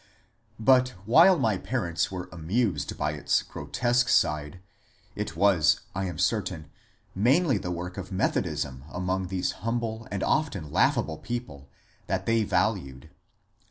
But while my parents were amused by its grotesque side, it was, I am certain, mainly the work of Methodism among these humble and often laughable people that they valued.